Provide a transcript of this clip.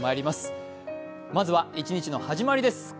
まずは一日の始まりです。